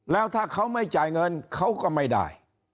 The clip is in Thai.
แล้วถ้าเขาไม่จ่ายเงินเขาก็ไม่ได้